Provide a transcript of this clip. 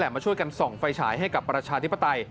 มาช่วยกันส่องไฟฉายให้กับประชาธิปไตย